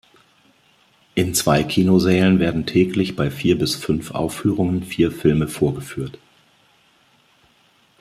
In zwei Kinosälen werden täglich bei vier bis fünf Aufführungen vier Filme vorgeführt.